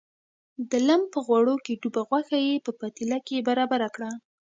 د لم په غوړو کې ډوبه غوښه یې په پتیله کې برابره کړه.